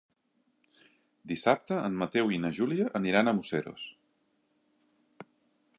Dissabte en Mateu i na Júlia aniran a Museros.